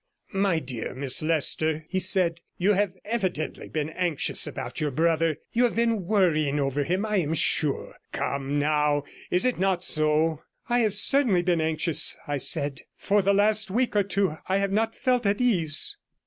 'My dear Miss Leicester,' he said, 'you have evidently been anxious about your brother; you have been worrying over him, I am sure. Come, now, is it not so?' 'I have certainly been anxious,' I said. 'For the last week or two I have not felt at ease.'